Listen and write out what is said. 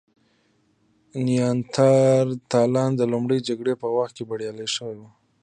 نیاندرتالان د لومړۍ جګړې په وخت کې بریالي شول.